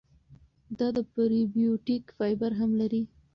دا د پری بیوټیک فایبر هم لري.